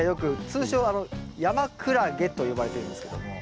通称ヤマクラゲと呼ばれてるんですけども。